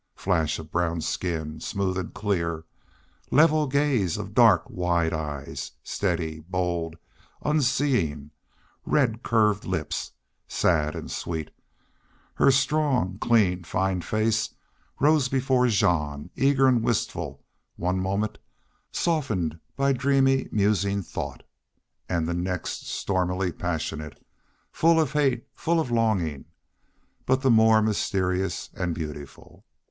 Flash of brown skin, smooth and clear; level gaze of dark, wide eyes, steady, bold, unseeing; red curved lips, sad and sweet; her strong, clean, fine face rose before Jean, eager and wistful one moment, softened by dreamy musing thought, and the next stormily passionate, full of hate, full of longing, but the more mysterious and beautiful.